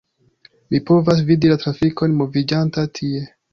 Mi povas vidi la trafikon moviĝanta tie